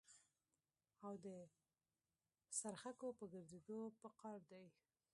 او د څرخکو په ګرځېدو په قار دي.